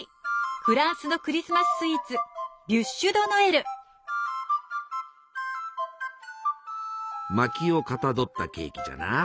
フランスのクリスマススイーツまきをかたどったケーキじゃな。